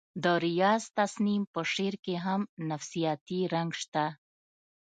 د ریاض تسنیم په شعر کې هم نفسیاتي رنګ شته